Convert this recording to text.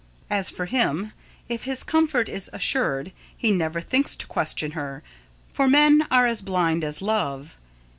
As for him, if his comfort is assured, he never thinks to question her, for men are as blind as Love.